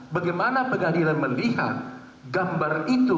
bagaimana pengadilan melihat gambar itu